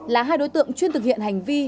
là hai đối tượng chuyên thực hiện hành vi